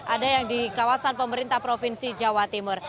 ada yang di kawasan pemerintah provinsi jawa timur